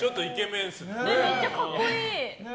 めっちゃ格好いい！